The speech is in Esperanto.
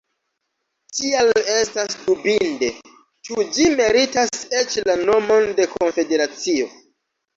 Tial estas dubinde, ĉu ĝi meritas eĉ la nomon de konfederacio.